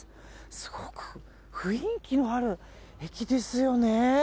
すごく雰囲気のある駅ですよね。